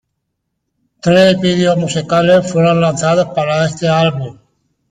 Tres videos musicales fueron lanzados para este álbum.